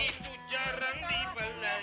itu jarang dibelai